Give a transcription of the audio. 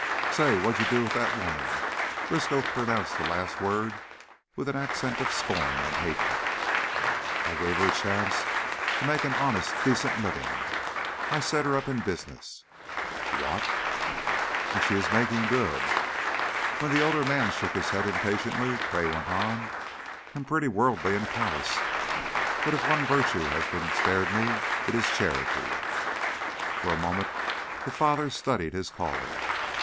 Say, wha'd you do with that woman?" Briskow pronounced the last word with an accent of scorn and hatred. "I gave her a chance to make an honest, decent living. I set her up in business." "What?" "And she is making good." When the elder man shook his head impatiently Gray went on, "I'm pretty worldly and calloused, but if one virtue has been spared me, it is charity." For a moment the father studied his caller.